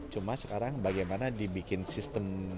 cuma sekarang bagaimana dibikin sistem